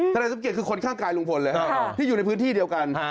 นายสมเกียจคือคนข้างกายลุงพลเลยที่อยู่ในพื้นที่เดียวกัน